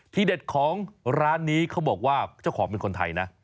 เด็ดของร้านนี้เขาบอกว่าเจ้าของเป็นคนไทยนะ